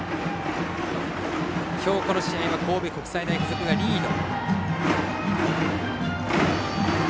きょう、この試合は神戸国際大付属がリード。